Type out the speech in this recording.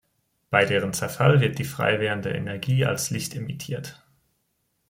Bei deren Zerfall wird die freiwerdende Energie als Licht emittiert.